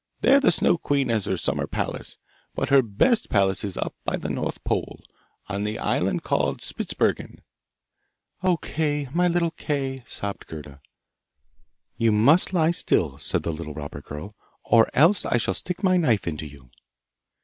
There the Snow queen has her summer palace, but her best palace is up by the North Pole, on the island called Spitzbergen.' 'O Kay, my little Kay!' sobbed Gerda. 'You must lie still,' said the little robber girl, 'or else I shall stick my knife into you!